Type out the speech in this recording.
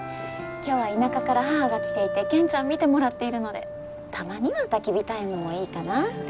今日は田舎から母が来ていて賢ちゃん見てもらっているのでたまにはたき火タイムもいいかなあって。